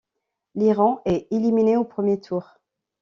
L'Iran est éliminé au premier tour.